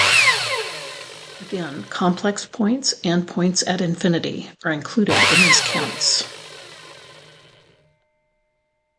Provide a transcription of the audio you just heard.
Again, complex points and points at infinity are included in these counts.